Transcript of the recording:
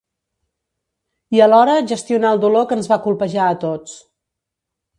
I alhora gestionar el dolor que ens va colpejar a tots.